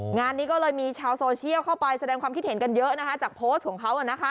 งานนี้ก็เลยมีชาวโซเชียลเข้าไปแสดงความคิดเห็นกันเยอะจากโพสต์ของเขา